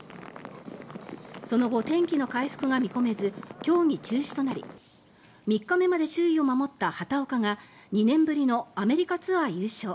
その後、天気の回復が見込めず競技中止となり３日目まで首位を守った畑岡が２年ぶりのアメリカツアー優勝。